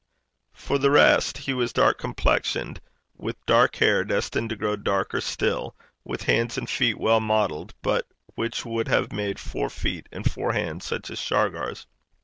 For the rest, he was dark complexioned, with dark hair, destined to grow darker still, with hands and feet well modelled, but which would have made four feet and four hands such as Shargar's.